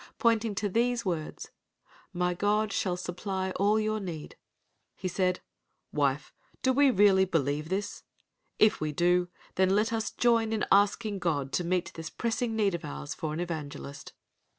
Pointing to these words, "My God shall supply all your need," he said, "Wife, do we really believe this? If we do, then let us join in asking God to meet this pressing need of ours for an evangelist."